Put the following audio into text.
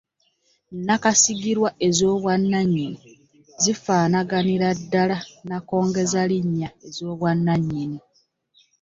Nakasigirwa ez’obwannannyini zifaanaganira ddala nnakongezalinnya ez’obwannannyini.